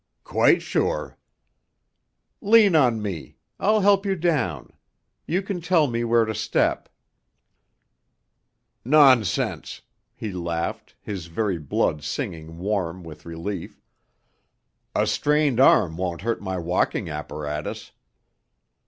"Quite sure." "Lean on me! I'll help you down. You can tell me where to step." "Nonsense," he laughed, his very blood singing warm with relief. "A strained arm won't hurt my walking apparatus.